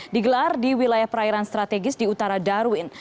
digelar di wilayah perairan strategis di utara darwin